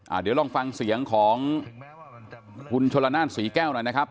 เดี๋ยวลองฟังเสียงของคุณชลนานศรีแก้วหน่อยนะครับ